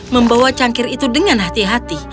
membawa cangkir itu dengan hati hati